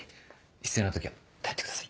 必要な時は頼ってください。